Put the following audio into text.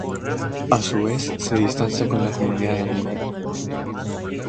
A su vez, se distancia con la Comunidad Andina.